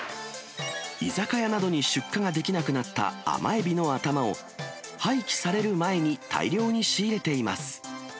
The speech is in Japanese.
居酒屋などに出荷ができなくなった甘エビの頭を廃棄される前に大量に仕入れています。